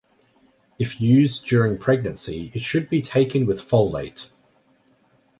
If used during pregnancy it should be taken with folate.